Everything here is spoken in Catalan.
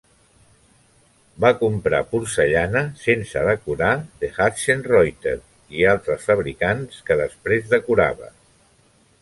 Va comprar porcellana sense decorar de Hutschenreuther i altres fabricants, que després decorava.